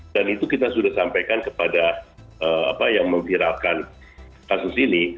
dan itu kita sudah sampaikan kepada yang menghiralkan kasus ini